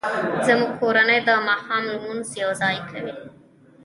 زموږ کورنۍ د ماښام لمونځ یوځای کوي